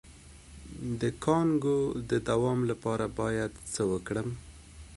د کانګو د دوام لپاره باید څه وکړم؟